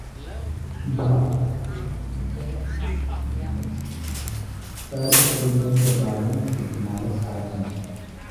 ساڑھے فٹ لمبے بالوں کی مالک خاتون